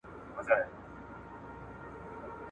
غم ته به مي شا سي، وايي بله ورځ ..